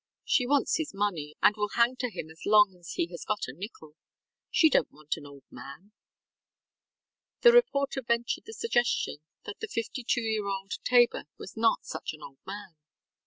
She wants his money and will hang to him as long as he has got a nickel. She donŌĆÖt want an old man. ŌĆØ The reporter ventured the suggestion that the fifty two year old Tabor was not such an old man.